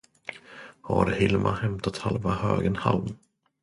Har Hilma hämtat halva högen halm?